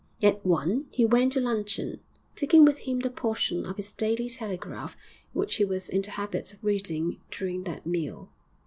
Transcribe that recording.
At one he went to luncheon, taking with him the portion of his Daily Telegraph which he was in the habit of reading during that meal.